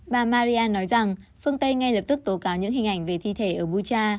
bà marian nói rằng phương tây ngay lập tức tố cáo những hình ảnh về thi thể ở bucha